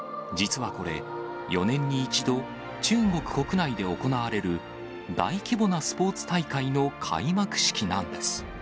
実はこれ、４年に一度、中国国内で行われる大規模なスポーツ大会の開幕式なんです。